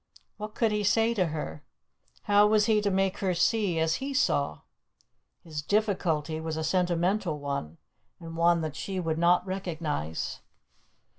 What could he say to her? How was he to make her see as he saw? His difficulty was a sentimental one, and one that she would not recognize.